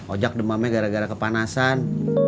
ojak demamnya gara gara kepanasan